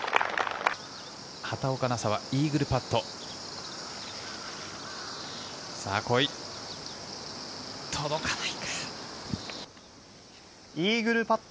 畑岡奈紗はイーグルパット。